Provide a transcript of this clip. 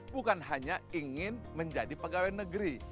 bukan hanya ingin menjadi pegawai negeri